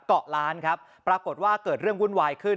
เกาะล้านครับปรากฏว่าเกิดเรื่องวุ่นวายขึ้น